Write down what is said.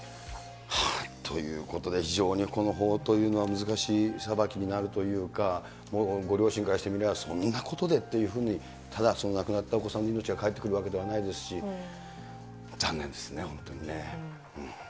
ということで非常にこの法というのは難しい裁きになるというか、ご両親からしてみればそんなことでっていうふうに、ただその亡くなったお子さんの命がかえってくるわけではないですし、残念ですね、本当にね。